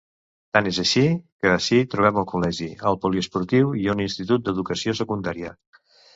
Tant és així que ací trobem el col·legi, el poliesportiu i un institut d'educació secundària.